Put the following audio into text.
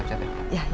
baik mau siap siap ya